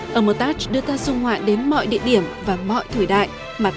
hermitage đưa ta du ngoại đến mọi địa điểm và mọi thời đại mà ta hằng mơ ước